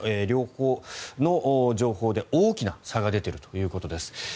両方の情報で大きな差が出ているということです。